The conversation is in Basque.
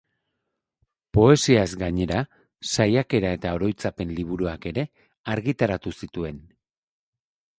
Poesiaz gainera, saiakera eta oroitzapen liburuak ere argitaratu zituen.